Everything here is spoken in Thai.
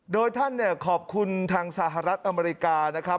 โดยท่านเนี่ยขอบคุณทางสหรัฐอเมริกานะครับ